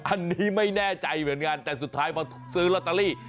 อันนี้ไม่แน่ใจเหมือนกันแต่สุดท้ายมาซื้อลอตเตอรี่